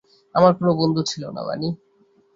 আমার কোনো বন্ধু ছিলো না, বানি।